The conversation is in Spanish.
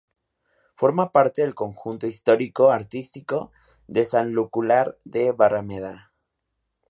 Forma parte del Conjunto histórico-artístico de Sanlúcar de Barrameda.